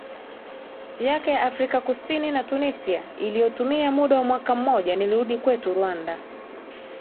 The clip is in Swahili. yake ya Afrika Kusini na Tunisia iliyotumia muda wa mwaka mmojaNilirudi kwetu Rwanda